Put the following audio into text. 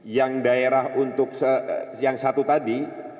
yang daerah untuk yang satu tadi